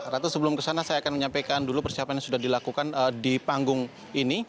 ratu sebelum kesana saya akan menyampaikan dulu persiapan yang sudah dilakukan di panggung ini